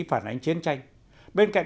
phản ánh chiến tranh bên cạnh